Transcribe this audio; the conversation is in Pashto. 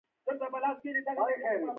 الماري کې ځینې وخت بوټي هم وي